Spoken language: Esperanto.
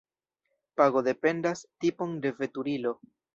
Pago dependas tipon de veturilo.